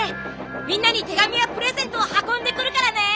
みんなに手紙やプレゼントを運んでくるからね！